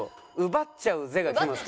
「奪っちゃうぜ！！」が来ます。